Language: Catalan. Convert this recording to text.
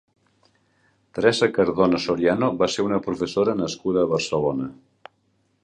Teresa Cardona Soriano va ser una professora nascuda a Barcelona.